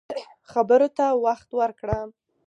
خبرو ته وخت ورکړه